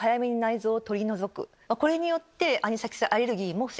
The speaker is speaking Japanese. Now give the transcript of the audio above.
これによって。